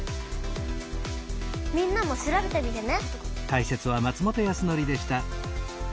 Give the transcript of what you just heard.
みんなも調べてみてね！